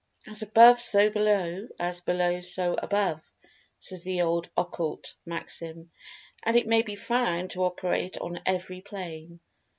"As Above so Below—as Below so Above," says the old Occult Maxim, and it may be found to operate on every plane.